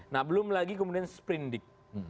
nah belum lagi kemudian sprindik